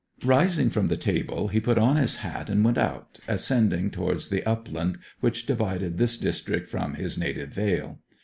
Rising from the table he put on his hat and went out, ascending towards the upland which divided this district from his native vale.